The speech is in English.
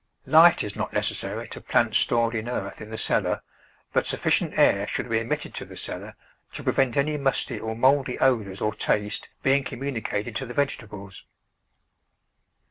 Light is not necessary to plants stored in earth in the cellar, but sufficient air should be ad mitted to the cellar to prevent any musty or mouldy odours or taste being communicated to the vege tables.